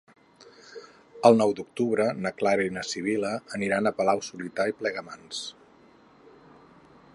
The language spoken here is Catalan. El nou d'octubre na Clara i na Sibil·la aniran a Palau-solità i Plegamans.